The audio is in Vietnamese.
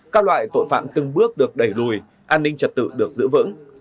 các loại tội phạm từng bước được đẩy lùi an ninh trật tự được giữ vững